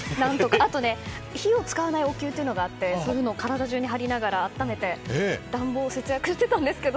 あと、火を使わないお灸というのがあってそれを体中に貼って暖めて暖房を節約していたんですけど。